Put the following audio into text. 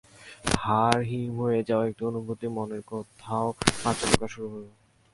হাড় হিম হয়ে যাওয়া একটা অনুভূতি মনের কোথাও আচমকা শুরু হলো।